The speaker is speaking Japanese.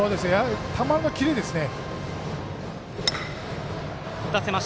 球のキレですね。